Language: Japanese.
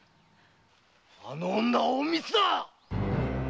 あの女隠密だっ！